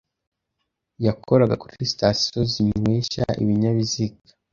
yakoraga kuri station zinywesha ibinyabiziga